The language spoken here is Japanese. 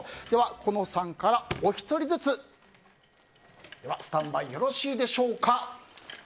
小暖さんから、お一人ずつスタンバイよろしいでしょうか。